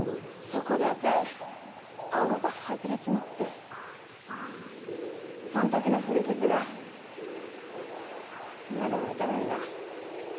そこであたいあごが外れちまってそん時の古傷が今でも痛むんだ。